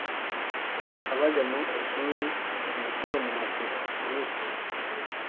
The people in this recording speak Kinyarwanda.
Bahava bajya mu ishuri ( Imikoro mu masibo (groups)